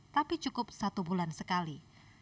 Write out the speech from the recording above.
tapi cukup satu bulan sekali